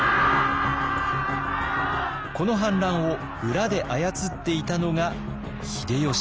この反乱を裏で操っていたのが秀吉でした。